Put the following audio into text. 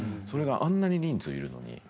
それがあんなに人数いるのに。